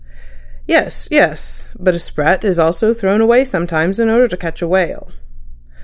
"Yes. Yes. But a sprat is also thrown away sometimes in order to catch a whale."